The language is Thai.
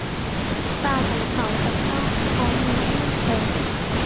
ตาของเขาจับจ้อง พร้อมมือที่มั่นคง